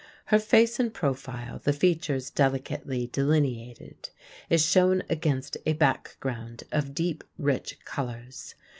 Her face in profile, the features delicately delineated, is shown against a background of deep, rich colors.